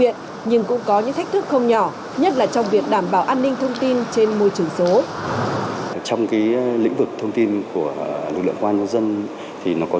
thức không nhỏ nhất là trong việc đảm bảo an ninh thông tin trên môi trường số